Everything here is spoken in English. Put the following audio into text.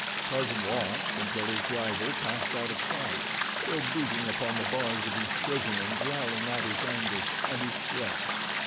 Tarzan watched until his rival passed out of sight, still beating upon the bars of his prison and growling out his anger and his threats.